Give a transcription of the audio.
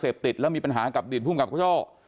กราบรามยาเสพติดแล้วมีปัญหากับอดีตภูมิกับเจ้า